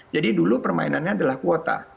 jadi dulu permainannya adalah kuota